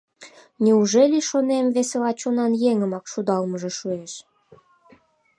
«Неужели, — шонем, — весела чонан еҥымак шудалмыже шуэш».